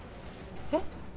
えっ？